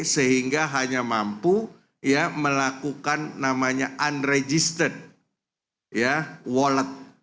sehingga hanya mampu melakukan namanya unregister wallet